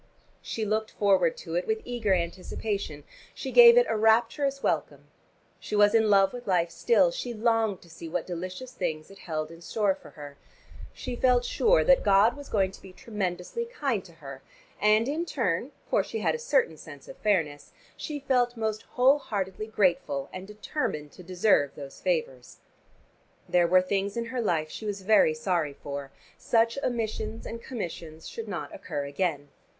She looked forward to it with eager anticipation, she gave it a rapturous welcome. She was in love with life still, she longed to see what delicious things it held in store for her. She felt sure that God was going to be tremendously kind to her. And in turn (for she had a certain sense of fairness) she felt most whole heartedly grateful and determined to deserve these favors. There were things in her life she was very sorry for: such omissions and commissions should not occur again.